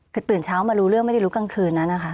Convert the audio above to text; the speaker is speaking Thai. คือตื่นเช้ามารู้เรื่องไม่ได้รู้กลางคืนนั้นนะคะ